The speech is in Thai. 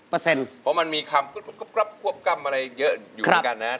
เพราะมันมีคำขอบกรรมอะไรเยอะอยู่ด้วยกันนะฮะ